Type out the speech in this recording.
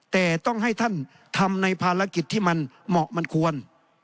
แต่ต้องให้ท่านทำในภารกิจที่มันเหมาะมันควร